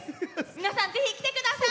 皆さん、ぜひ来てください！